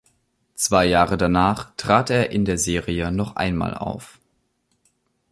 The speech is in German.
Zwei Jahre danach trat er in der Serie noch einmal auf.